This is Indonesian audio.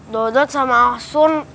dudut sama asun